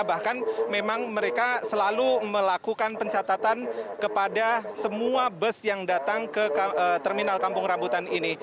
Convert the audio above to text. bahkan memang mereka selalu melakukan pencatatan kepada semua bus yang datang ke terminal kampung rambutan ini